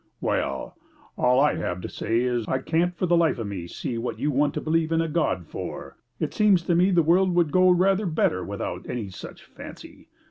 "Well, all I have to say is, I can't for the life of me see what you want to believe in a God for! It seems to me the world would go rather better without any such fancy.